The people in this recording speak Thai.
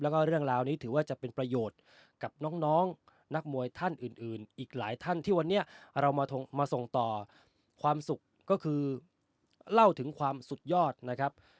แล้วก็เรื่องราวนี้ถือว่าจะเป็นประโยชน์กับน้องนักมวยท่านอื่นอีกหลายท่านที่วันนี้เรามาส่งต่อความสุขก็คือเล่าถึงความสุดยอดนะครับ